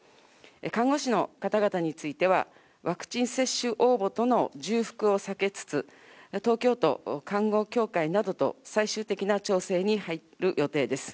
看護師の方々については、ワクチン接種応募との重複を避けつつ、東京都看護協会などと、最終的な調整に入る予定です。